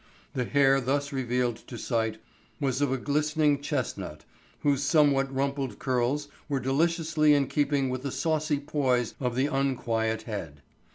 The hair thus revealed to sight was of a glistening chestnut, whose somewhat rumpled curls were deliciously in keeping with the saucy poise of the unquiet head.